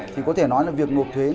thì có thể nói là việc nộp thuế